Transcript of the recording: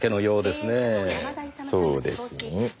そうですね。